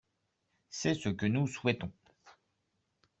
C’est ce que nous souhaitons.